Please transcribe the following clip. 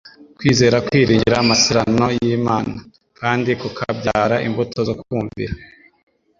Kwizera kwiringira amaserano y'Imana, kandi kukabyara imbuto zo kumvira.